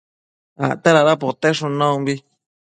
acte dada poteshun naumbi